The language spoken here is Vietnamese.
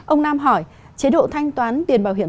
ông nam hỏi chế độ thanh toán tiền bảo hiểm